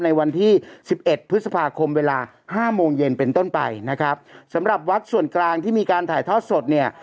ในวันที่สิบเอ็ดพฤษภาคมเวลาห้าโมงเย็นเป็นต้นไปนะครับสำหรับวัดส่วนกลางที่มีการถ่ายทอดสดเนี่ย